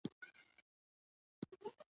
یوازې یوه طرحه عمل ته وړاندې شوه.